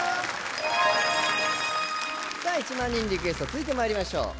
１万人のリクエスト続いてまいりましょう。